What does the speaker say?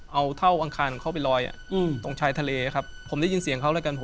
เอาเท่าอังคารเขาไปลอยอ่ะ